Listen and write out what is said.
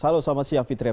halo selamat siang fitriah